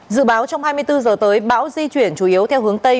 dự báo trong hai mươi bốn giờ tới bão di chuyển chủ yếu theo hướng tây